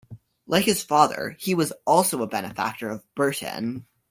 Like his father he was also a benefactor of Burton.